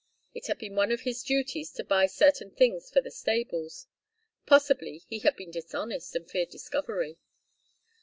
It had been one of his duties to buy certain things for the stables. Possibly he had been dishonest and feared discovery.